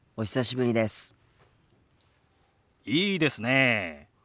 いいですねえ。